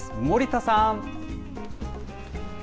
森田さん。